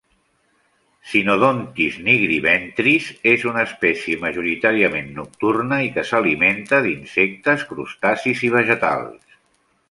"Synodontis nigriventris" és una espècie majoritàriament nocturna i que s'alimenta d'insectes, crustacis i vegetals.